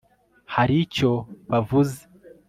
hari icyo bavuze